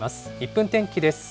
１分天気です。